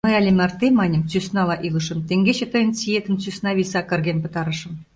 Мый але марте, маньым, сӧснала илышым, теҥгече тыйын сиетым сӧсна виса карген пытарышым.